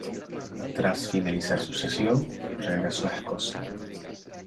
Tras finalizar su cesión, regresó a Escocia.